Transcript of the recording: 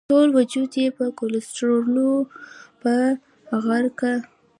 ټول وجود یې په کولسټرولو په غړکه بدل شوی وو.